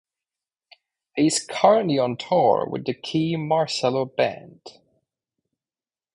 He is currently on tour with the Kee Marcello Band.